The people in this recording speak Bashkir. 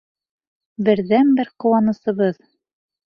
Берҙән-бер ҡыуанысыбыҙ!